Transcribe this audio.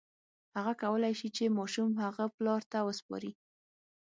هغه کولی شي چې ماشوم هغه پلار ته وسپاري.